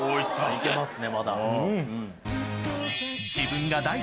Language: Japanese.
行けますねまだ。